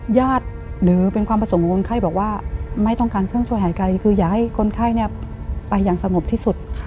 หญ้าฐ์หรือเป็นความผสมของคนไข้แบบว่าไม่ต้องการเครื่องช่วยหายใจคืออย่าให้คนไข้เนี่ยไปอย่างสงบที่สุด